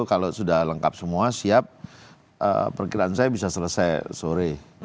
kalau sudah lengkap semua siap perkiraan saya bisa selesai sore